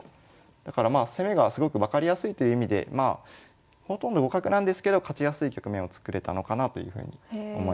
だからまあ攻めがすごく分かりやすいという意味でまあほとんど互角なんですけど勝ちやすい局面を作れたのかなというふうに思います。